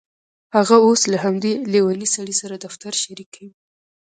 هغه اوس له همدې لیونۍ سړي سره دفتر شریکوي